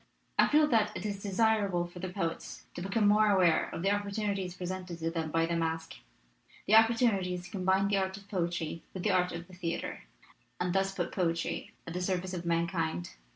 I feel that it is desirable for the poets to become aware of the opportunities pre sented to them by the masque, the opportunities to combine the art of poetry with the art of the theater, and thus put poetry at the service of mankind.